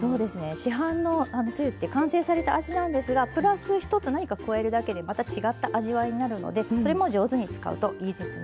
市販のつゆって完成された味なんですがプラス１つ何か加えるだけでまた違った味わいになるのでそれも上手に使うといいですね。